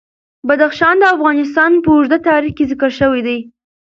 بدخشان د افغانستان په اوږده تاریخ کې ذکر شوی دی.